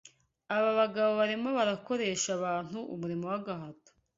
ABA bagabo barimo barakoresha abantu umurimo w’agahato.